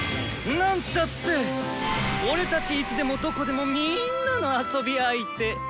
何たって俺たちいつでもどこでもみぃんなの遊び相手！